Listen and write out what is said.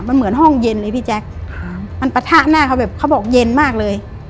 มันเหมือนห้องเย็นเลยพี่แจ๊คมันปะทะหน้าเขาแบบเขาบอกเย็นมากเลย